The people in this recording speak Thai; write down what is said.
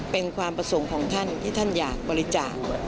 เป็นความประสงค์ของท่านที่ท่านอยากบริจาค